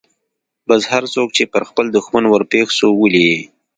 بس هرڅوک چې پر خپل دښمن ورپېښ سو ولي يې.